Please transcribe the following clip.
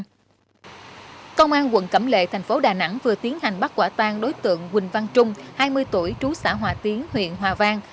tại đây công an quận năm tp hcm vừa tiến hành bắt quả tàng đối tượng huỳnh văn trung hai mươi tuổi trú xã hòa tiến huyện hòa vang